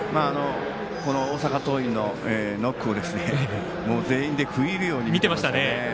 大阪桐蔭のノックを全員で食い入るように見てましたね。